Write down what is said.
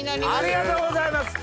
ありがとうございます！